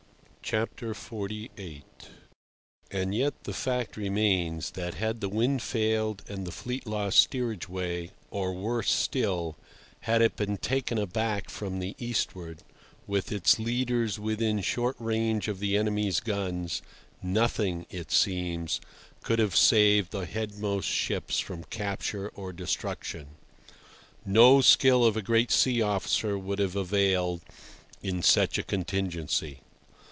XLVIII. And yet the fact remains that, had the wind failed and the fleet lost steerage way, or, worse still, had it been taken aback from the eastward, with its leaders within short range of the enemy's guns, nothing, it seems, could have saved the headmost ships from capture or destruction. No skill of a great sea officer would have availed in such a contingency.